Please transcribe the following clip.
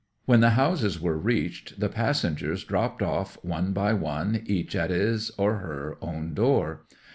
When the houses were reached the passengers dropped off one by one, each at his or her own door.